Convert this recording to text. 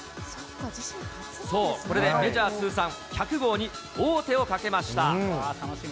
これでメジャー通算１００号に王手をかけました。